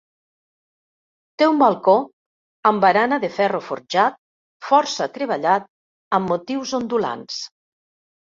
Té un balcó amb barana de ferro forjat força treballat amb motius ondulants.